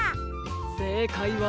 せいかいは。